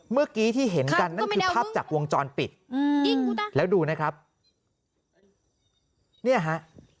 เมื่อกี้ที่เห็นกันนั่นคือภาพจากวงจรปิดอืมแล้วดูนะครับเนี่ยฮะ